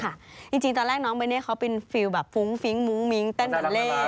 จริงตอนแรกน้องเบเน่เขาเป็นฟิลแบบฟุ้งฟิ้งมุ้งมิ้งเต้นเหมือนเล่